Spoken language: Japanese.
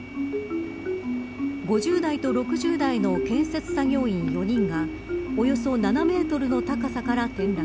５０代と６０代の建設作業員４人がおよそ７メートルの高さから転落。